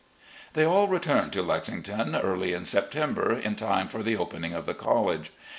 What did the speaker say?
They all returned to Lexington early in September, in time for the opening of the college.